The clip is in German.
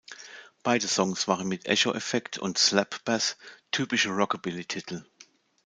Beide Songs waren mit Echo-Effekt und Slap-Bass typische Rockabilly-Titel.